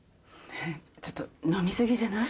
ちょっと飲み過ぎじゃない？